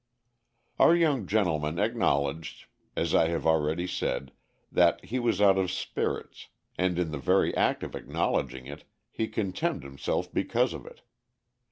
Our young gentleman acknowledged, as I have already said, that he was out of spirits, and in the very act of acknowledging it he contemned himself because of it.